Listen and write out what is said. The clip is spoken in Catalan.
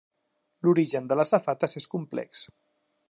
L'origen de les safates és complex.